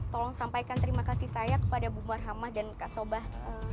tolong sampaikan terima kasih saya kepada bu farhamah dan kak sobah